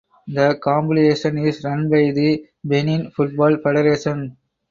The competition is run by the Benin Football Federation.